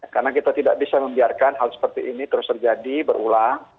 karena kita tidak bisa membiarkan hal seperti ini terus terjadi berulang